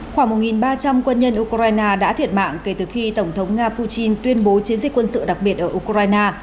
khoảng một ba trăm linh quân nhân ukraine đã thiệt mạng kể từ khi tổng thống nga putin tuyên bố chiến dịch quân sự đặc biệt ở ukraine